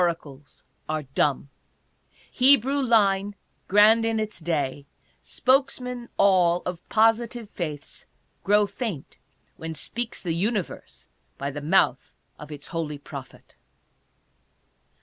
Oracles are dumb. Hebrew line, grand in its day, spokesmen all of positive faiths, grow faint when speaks the Universe by the mouth of its holy prophet.